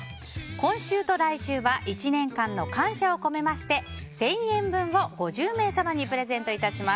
今週と来週は１年間の感謝を込めまして１０００円分を５０名様にプレゼントいたします。